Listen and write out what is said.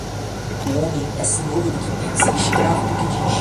O homem é senhor do que pensa e escravo do que diz